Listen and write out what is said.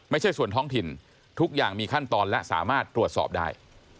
ไม่ใช่ส่วนท้องถิ่นทุกอย่างมีขั้นตอนและสามารถตรวจสอบได้